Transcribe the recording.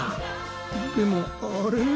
でもあれ？